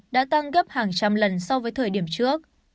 đã tăng gấp hàng trăm lần so với thời điểm trước